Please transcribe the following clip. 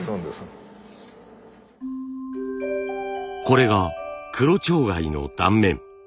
これが黒蝶貝の断面。